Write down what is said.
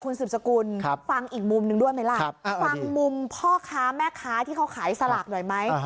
คุณสืบสกุลฟังอีกมุมหนึ่งด้วยไหมล่ะฟังมุมพ่อค้าแม่ค้าที่เขาขายสลากหน่อยไหม